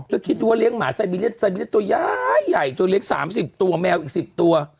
ก็คิดดูว่าเลี้ยงหมาไซบิเล็ตไซบิเล็ตตัวย้ายใหญ่ตัวเลี้ยง๓๐ตัวแมวอีก๑๐ตัว